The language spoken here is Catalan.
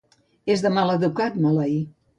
És de maleducat maleir.